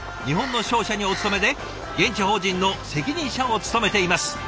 日本の商社にお勤めで現地法人の責任者を務めています。